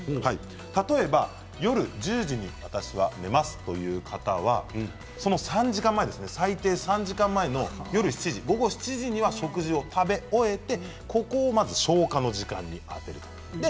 例えば夜１０時に私は寝ますという方はその３時間前最低３時間前の夜７時に食事を食べ終えてそこを消化の時間にあてます。